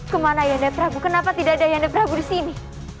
kemana ayahanda prabu kenapa tidak ada ayahanda prabu di sini